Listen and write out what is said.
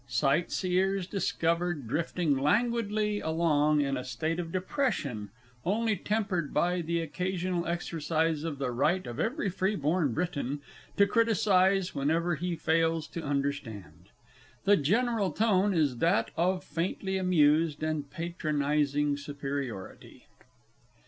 _Sightseers discovered drifting languidly along in a state of depression, only tempered by the occasional exercise of the right of every free born Briton to criticize whenever he fails to understand. The general tone is that of faintly amused and patronizing superiority.